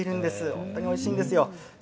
本当においしいんですよ。